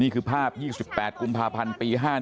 ภาพ๒๘กุมภาพันธ์ปี๕๑